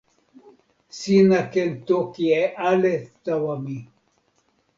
sina ken toki e ale tawa mi.